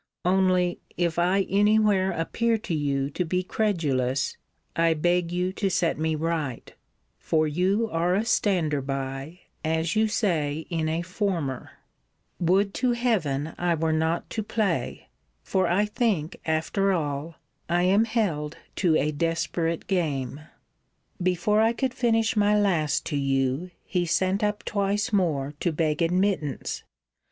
Only, if I any where appear to you to be credulous, I beg you to set me right: for you are a stander by, as you say in a former* Would to Heaven I were not to play! for I think, after all, I am held to a desperate game. * See Letter VIII. of this volume. Before I could finish my last to you, he sent up twice more to beg admittance.